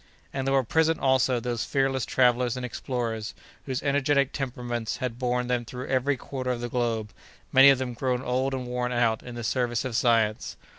And there were present, also, those fearless travellers and explorers whose energetic temperaments had borne them through every quarter of the globe, many of them grown old and worn out in the service of science.